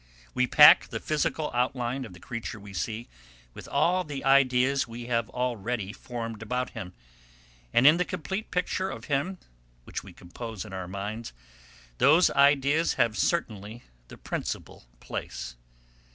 We pack the physical outline of the creature we see with all the ideas we have already formed about him, and in the complete picture of him which we compose in our minds those ideas have certainly the principal place.